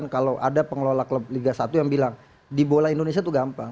kalau ada pengelola klub liga satu yang bilang di bola indonesia itu gampang